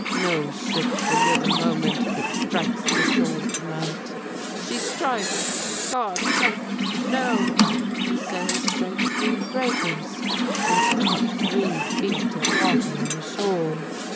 No ship will live a moment that strikes the shoal to night. She strikes! God have No! she sails straight through the breakers! and not three feet of water on the shoal!